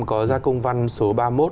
có ra công văn số ba mươi một